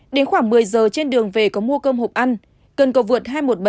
đến khoảng một mươi giờ trên đường về có mua cơm hộp ăn cần cầu vượt hai trăm một mươi bảy